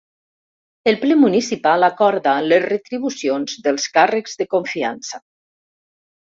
El Ple Municipal acorda les retribucions dels càrrecs de confiança.